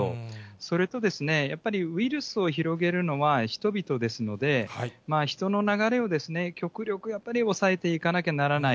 それと、やっぱりウイルスを広げるのは人々ですので、人の流れを極力、やっぱり抑えていかなきゃならない。